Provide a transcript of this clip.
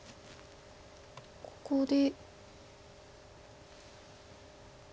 ここで。